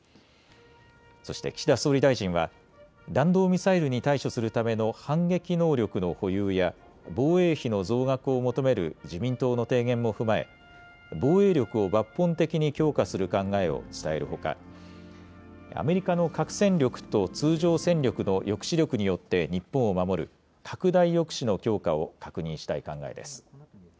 そして岸田総理大臣は弾道ミサイルに対処するための反撃能力の保有や防衛費の増額を求める自民党の提言も踏まえ防衛力を抜本的に強化する考えを伝えるほかアメリカの核戦力と通常戦力の抑止力によって日本を守る拡大抑止の強化を確認したい考えです。